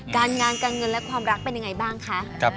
การงานการเงินและความรักเป็นยังไงบ้างคะ